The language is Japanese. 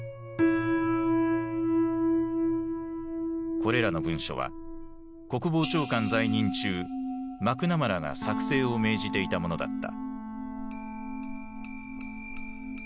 これらの文書は国防長官在任中マクナマラが作成を命じていたものだった。